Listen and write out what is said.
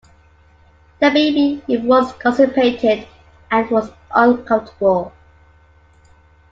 The baby was constipated and was uncomfortable.